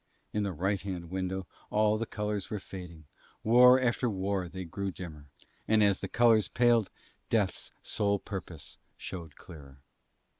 In the right hand window all the colours were fading, war after war they grew dimmer; and as the colours paled Death's sole purpose showed clearer.